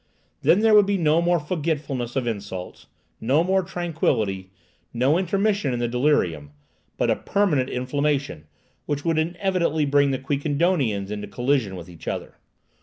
Then there would be no more forgetfulness of insults, no more tranquillity, no intermission in the delirium; but a permanent inflammation, which would inevitably bring the Quiquendonians into collision with each other.